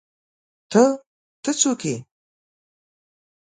_ته، ته، څوک يې؟